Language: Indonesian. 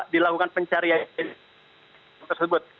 dilakukan pencarian tersebut